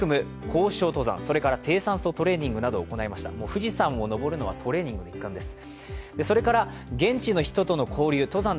富士山を登るのはトレーニングの一環です。